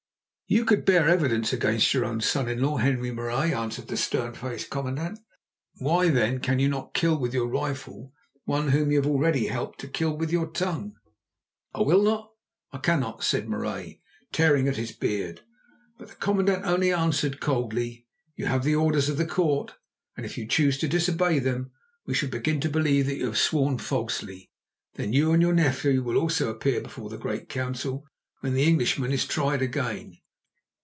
"You could bear evidence against your own son in law, Henri Marais," answered the stern faced commandant. "Why then cannot you kill with your rifle one whom you have already helped to kill with your tongue?" "I will not, I cannot!" said Marais, tearing at his beard. But the commandant only answered coldly: "You have the orders of the court, and if you choose to disobey them we shall begin to believe that you have sworn falsely. Then you and your nephew will also appear before the great council when the Englishman is tried again.